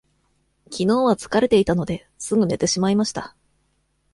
きのうは疲れていたので、すぐ寝てしまいました。